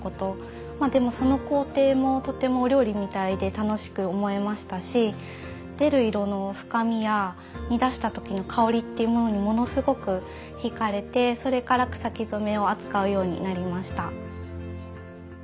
まあでもその工程もとてもお料理みたいで楽しく思えましたし出る色の深みや煮出した時の香りっていうものにものすごく引かれてそれから草木染めを扱うようになりました。